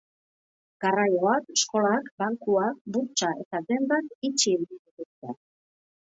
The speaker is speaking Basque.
Garraioak, eskolak, bankuak, burtsa eta dendak itxi egin dituzte.